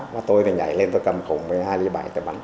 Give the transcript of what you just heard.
và tôi phải nhảy lên tôi cầm cùng với hai ly bảy để bắn